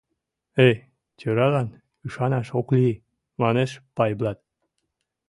— Эй, тӧралан ӱшанаш ок лий, — манеш Пайблат.